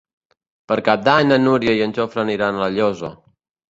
Per Cap d'Any na Núria i en Jofre aniran a La Llosa.